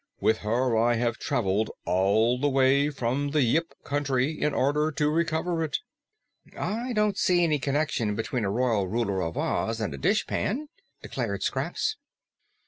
With her I have traveled all the way from the Yip Country in order to recover it." "I don't see any connection between a Royal Ruler of Oz and a dishpan!" declared Scraps.